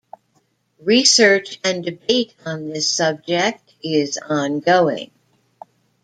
Research and debate on this subject is ongoing.